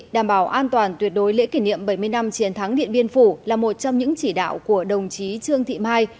đảm bảo an toàn tuyệt đối lễ kỷ niệm bảy mươi năm chiến thắng điện biên phủ là một trong những chỉ đạo của đồng chí trương thị mai